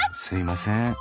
すいません。